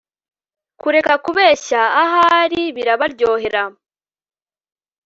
Kureka kubeshya ahari birabaryohera